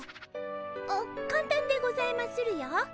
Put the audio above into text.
あっかんたんでございまするよ。